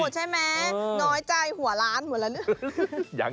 โอ้ใช่มั้ยน้อยใจหัวล้าน